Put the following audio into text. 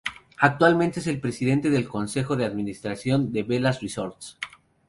Actualmente es el Presidente del Consejo de Administración de Velas Resorts.